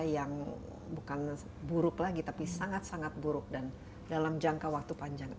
yang bukan buruk lagi tapi sangat sangat buruk dan dalam jangka waktu panjang